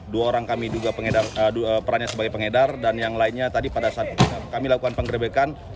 dua orang kami juga perannya sebagai pengedar dan yang lainnya tadi pada saat kami lakukan penggrebekan